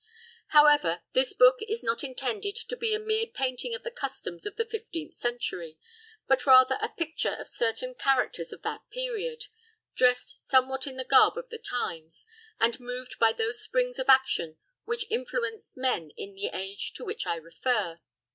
However, this book is not intended to be a mere painting of the customs of the fifteenth century, but rather a picture of certain characters of that period, dressed somewhat in the garb of the times, and moved by those springs of action which influenced men in the age to which I refer.